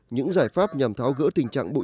những giải pháp nhằm tháo gỡ tình trạng bụi